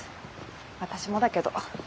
私もだけど。